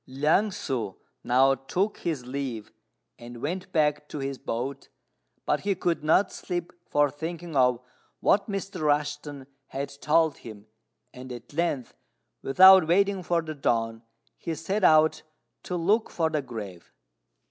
Liang ssŭ now took his leave, and went back to his boat, but he could not sleep for thinking of what Mr. Rushten had told him; and at length, without waiting for the dawn, he set out to look for the grave.